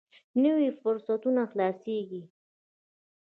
نوي فرصتونه خلاصېږي.